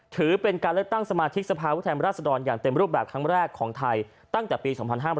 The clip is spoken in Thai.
ถือเป็นการเลือกตั้งสมาธิกสภาพุทธแทนราชดรอย่างเต็มรูปแบบครั้งแรกของไทยตั้งแต่ปี๒๕๕๘